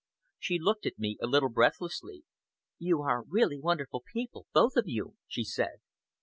She looked at me a little breathlessly. "You are really wonderful people, both of you," she said.